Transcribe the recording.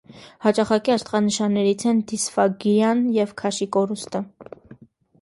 Հաճախակի ախտանշաններից են դիսֆագիան և քաշի կորուստը։